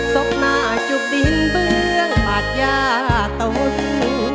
ศพหน้าจุบดินเบื้องหาดยาตะวุฒิ